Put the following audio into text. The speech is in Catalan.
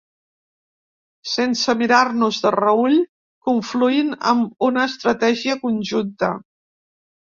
Sense mirar-nos de reüll, confluint amb una estratègia conjunta.